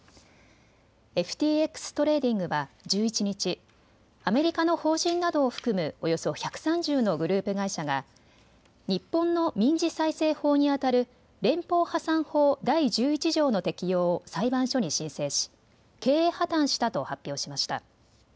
ＦＴＸトレーディングは１１日、アメリカの法人などを含むおよそ１３０のグループ会社が日本の民事再生法にあたる連邦破産法第１１条の適用を裁判所に申請し経営破綻したと発表しました。